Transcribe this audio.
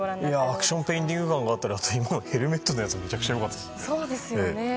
アクションペインティング感があってヘルメットのやつめちゃくちゃすごかったですね。